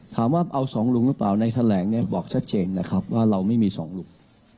ถามว่าเอาสองลุงหรือเปล่าในแถลงเนี่ยบอกชัดเจนนะครับว่าเราไม่มีสองลุง